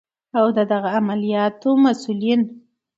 او د دغه عملیاتو مسؤلین